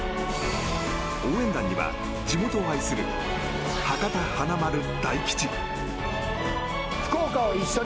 応援団には地元を愛する博多華丸・大吉！